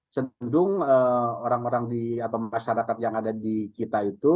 cenderung orang orang atau masyarakat yang ada di kita itu